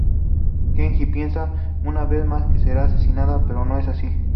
Kenji piensa una vez más que será asesinado pero no es así.